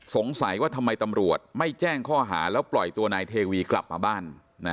สงสัยว่าทำไมตำรวจไม่แจ้งข้อหาแล้วปล่อยตัวนายเทวีกลับมาบ้าน